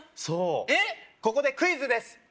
そうここでクイズです